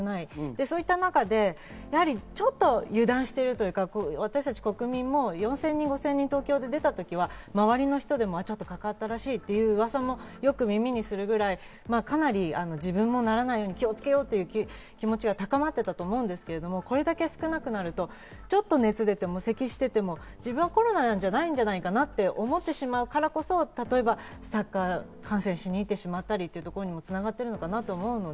その中でちょっと油断しているというか、私たち国民も４０００人、５０００人東京で出たときは周りの人でもかかったらしいという噂も耳にするくらい自分もならないように気をつけようという気持ちが高まっていたと思うんですけど、これだけ少なくなるとちょっと熱が出ても咳をしていても、自分はコロナじゃないんじゃないかなと思ってしまうからこそサッカー観戦しに行ってしまったりというところにも繋がっているのかなと思うので。